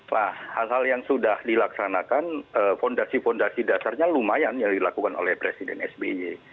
nah asal yang sudah dilaksanakan fondasi fondasi dasarnya lumayan yang dilakukan oleh presiden sby